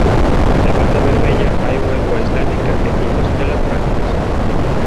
Na banda vermella hai unha lúa islámica e cinco estrelas brancas.